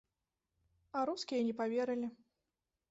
А рускія не паверылі.